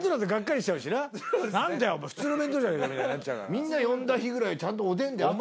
「みんな呼んだ日ぐらいちゃんとおでんであってくれ」。